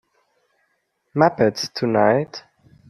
Muppets Tonight!